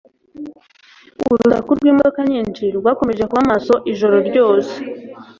Urusaku rwimodoka nyinshi rwakomeje kuba maso ijoro ryose.